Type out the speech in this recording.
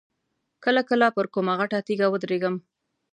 کله کله پر کومه غټه تیږه ودرېږم.